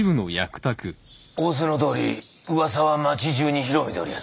仰せのとおり噂は町じゅうに広めておりやす。